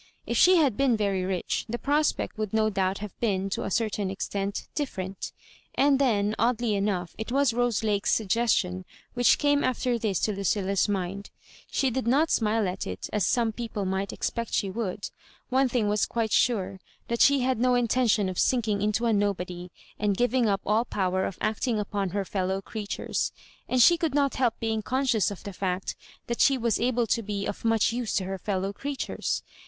If she had been very rich, the prospect would no doubt have been, to a certain extent, different. And then, oddly enough, it was Rose Lake's suggestion which came alter this to Lu cilia's mind. She did not smile at it as some peo ple might expect she would. One thing was quite sure, that she had no intention of sinking into a nobody, and giving up all power of acting upon her fellow creature? ; and she could not help beuig conscious of tlio f ijt chat she was able to be of much use to her i'eilowcreatures.